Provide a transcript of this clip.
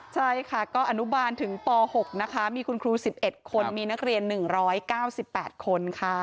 ใช่ค่ะก็อนุบาลถึงป๖นะคะมีคุณครู๑๑คนมีนักเรียน๑๙๘คนค่ะ